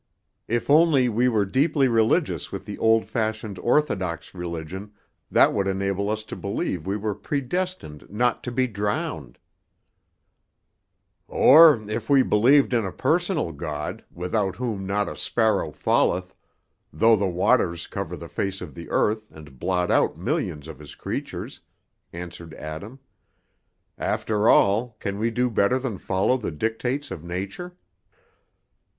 "If only we were deeply religious with the old fashioned orthodox religion, that would enable us to believe we were predestined not to be drowned " "Or if we believed in a personal God, without whom not a sparrow falleth, though the waters cover the face of the earth and blot out millions of His creatures," answered Adam. "After all, can we do better than follow the dictates of Nature?"